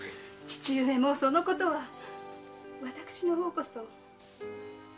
父上もうそのことはわたしの方こそ。